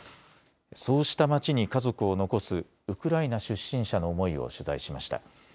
そうした街に家族を残すウクライナ出身者の思いを取材しました。